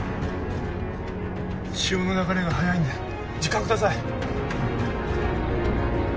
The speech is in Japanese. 潮の流れが速いんで時間ください